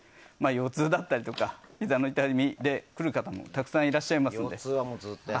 腰痛だったりとかひざの痛みで来る方もたくさんいらっしゃいますので。